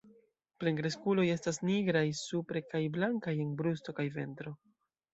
Plenkreskuloj estas nigraj supre kaj blankaj en brusto kaj ventro.